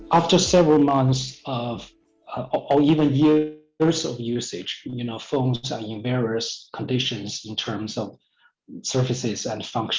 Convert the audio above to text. setelah beberapa bulan atau bahkan tahun penggunaan handphone berada dalam kondisi berbeda dalam hal layar dan fungsi